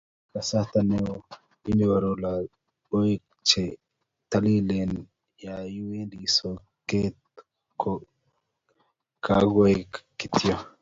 mito kasarta neoo inyoru logoek che talilen ya iwe soket ko kakuech kityo